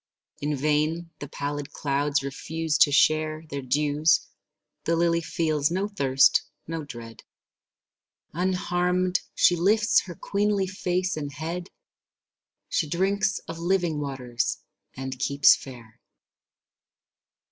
In vain the pallid clouds refuse to share Their dews; the lily feels no thirst, no dread. Unharmed she lifts her queenly face and head; She drinks of living waters and keeps fair.